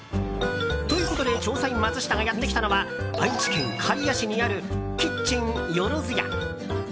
ということで調査員マツシタがやってきたのは愛知県刈谷市にあるキッチンよろずや。